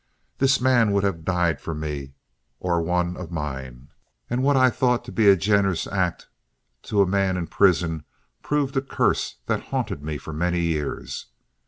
This man would have died for me or one of mine, and what I thought to be a generous act to a man in prison proved a curse that haunted me for many years.